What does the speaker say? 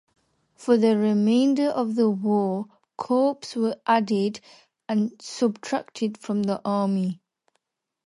For the remainder of the war, corps were added and subtracted from the army.